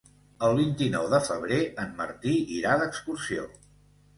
El vint-i-nou de febrer en Martí irà d'excursió.